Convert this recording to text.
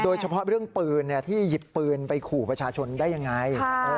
โดยเฉพาะเรื่องปืนที่หยิบปืนไปขู่ประชาชนได้ยังไง